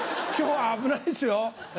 今日は危ないっすよ。